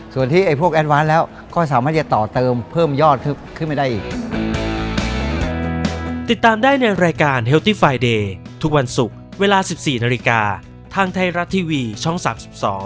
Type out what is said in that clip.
ส่วนที่ไอ้พวกแอนวานแล้วก็สามารถจะต่อเติมเพิ่มยอดขึ้นมาได้อีก